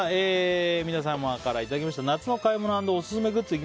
皆様からいただきました夏の買い物＆オススメグッズ。